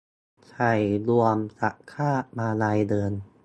ใส่นวมกับคาดมาลัยเดิน